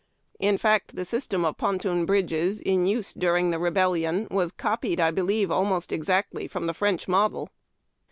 In fact, the system of ponton bridges in use during the Rebel lion was copied, I believe, almost exactly from the French model.